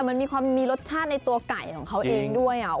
มันมีความมีรสชาติในตัวไก่ของเขาเองด้วย